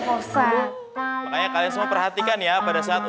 makanya kalian semua perhatikan ya pada saat